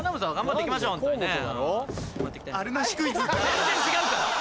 全然違うから！